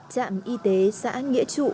trạm y tế xã nghĩa trụ